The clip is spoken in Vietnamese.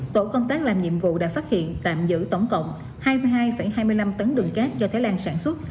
tổ công tác làm nhiệm vụ đã phát hiện tạm giữ tổng cộng hai mươi hai hai mươi năm tấn đường cát do thái lan sản xuất